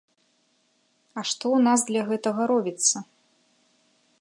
А што ў нас для гэтага робіцца?